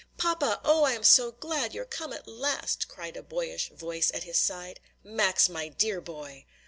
"Papa! oh, I'm so glad you're come at last!" cried a boyish voice at his side. "Max, my dear boy!"